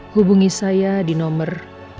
hubungi saya di nomor tujuh satu dua tujuh tujuh tujuh satu